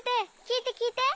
きいてきいて！